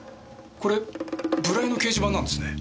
これＢｕｒａｉの掲示板なんですね。